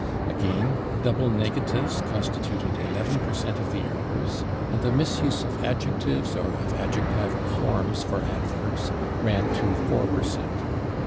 Again, double negatives constituted 11 per cent of the errors, and the misuse of adjectives or of adjectival forms for adverbs ran to 4 per cent.